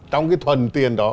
trong cái thuận tiền đó